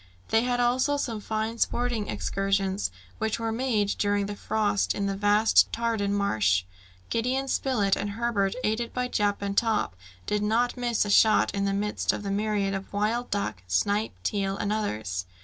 They had also some fine sporting excursions, which were made during the frost in the vast Tadorn marsh. Gideon Spilett and Herbert, aided by Jup and Top, did not miss a shot in the midst of the myriads of wild duck, snipe, teal, and others.